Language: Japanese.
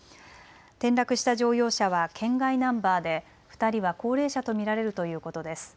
転落した乗用車は県外ナンバーで２人は高齢者と見られるということです。